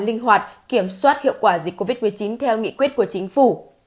linh hoạt kiểm soát hiệu quả dịch covid một mươi chín theo nghị quyết của chính phủ